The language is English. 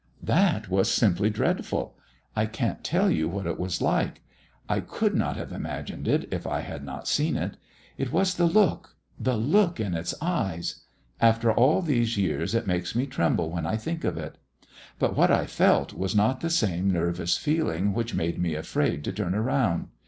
"That was simply dreadful. I can't tell you what it was like. I could not have imagined it, if I had not seen it. It was the look the look in its eyes. After all these years it makes me tremble when I think of it. But what I felt was not the same nervous feeling which made me afraid to turn round.